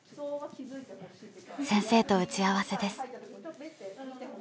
先生と打ち合わせです。